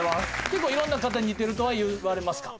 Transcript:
結構いろんな方に似てるとは言われますか？